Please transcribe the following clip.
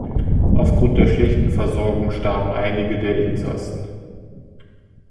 Aufgrund der schlechten Versorgung starben einige der Insassen.